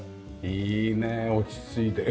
いいね落ち着いて。